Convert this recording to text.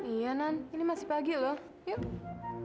iya nan ini masih pagi loh yuk